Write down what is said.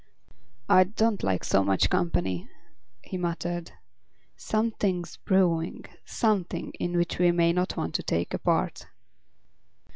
"I don't like so much company," he muttered. "Something's brewing; something in which we may not want to take a part."